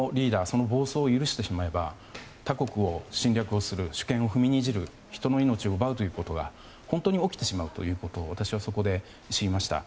その暴走を許してしまえば他国を侵略をする主権を踏みにじる人の命を奪うということが本当に起きてしまうということを私はそこで知りました。